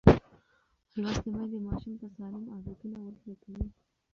لوستې میندې ماشوم ته سالم عادتونه ورزده کوي.